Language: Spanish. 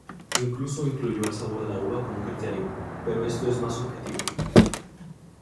Incluso incluyó el sabor de la uva como criterio, pero esto es más subjetivo.